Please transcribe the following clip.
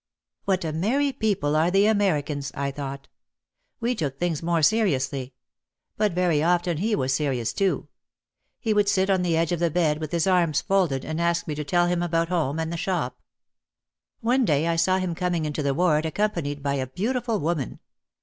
"What a merry people are the Americans," I thought. We took things more seri ously. But very often he was serious too. He would sit on the edge of the bed with his arms folded and ask me to tell him about home and the shop. One day I saw him coming into the ward accompanied by a beautiful woman.